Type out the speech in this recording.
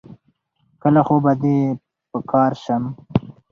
کله خو به دي په کار سم